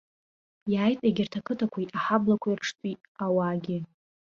Иааит егьырҭ ақыҭақәеи аҳаблақәеи рҿтәи ауаагьы.